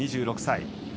２６歳。